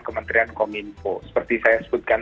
kementerian kominfo seperti saya sebutkan